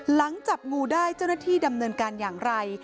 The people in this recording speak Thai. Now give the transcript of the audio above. จับงูได้เจ้าหน้าที่ดำเนินการอย่างไร